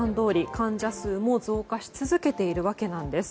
患者数も増加し続けているわけなんです。